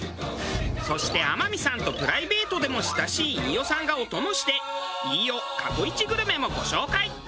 そして天海さんとプライベートでも親しい飯尾さんがお供して飯尾過去イチグルメもご紹介。